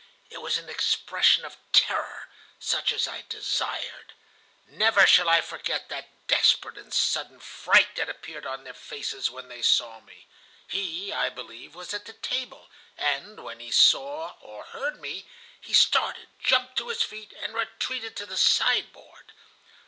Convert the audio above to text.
It was an expression of terror, such as I desired. Never shall I forget that desperate and sudden fright that appeared on their faces when they saw me. He, I believe, was at the table, and, when he saw or heard me, he started, jumped to his feet, and retreated to the sideboard.